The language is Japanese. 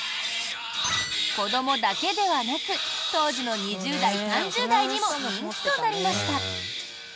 子どもだけではなく当時の２０代、３０代にも人気となりました。